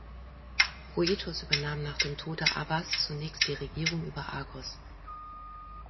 Proitos übernahm nach dem Tode Abas’ zunächst die Regierung über Argos.